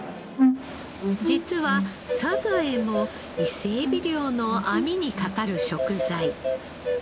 実はサザエも伊勢えび漁の網にかかる食材。